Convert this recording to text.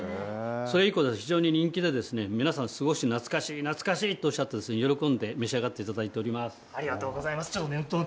それ以降、非常に人気で皆さん懐かしい、懐かしいとおっしゃって喜んで召し上がってありがとうございます。